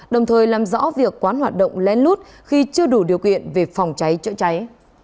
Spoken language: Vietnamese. đồng thời làm rõ việc quán hoạt động len lút khi chưa đủ điều kiện về phòng cháy chữa cháy